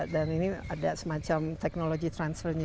dan ini ada semacam teknologi transfernya